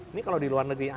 ini kalau di luar negeri